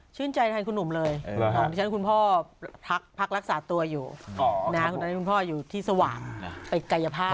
ชื่นใจคุณหนุ่มเลยคุณพ่อพักรักษาตัวอยู่ที่สว่างไปไกยภาพ